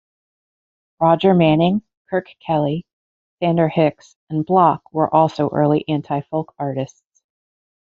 Roger Manning, Kirk Kelly, Sander Hicks, and Block were also early anti-folk artists.